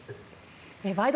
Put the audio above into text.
「ワイド！